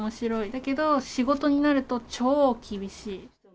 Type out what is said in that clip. だけど仕事になると超厳しい。